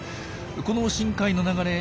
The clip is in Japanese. この深海の流れ